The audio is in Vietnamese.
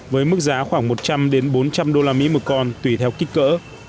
với mức giá khoảng một trăm linh đến bốn trăm linh đô la mỹ một con tùy theo kích cỡ